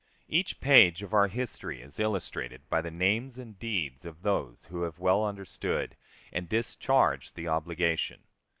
Each page of our history is illustrated by the names and deeds of those who have well understood and discharged the obligation.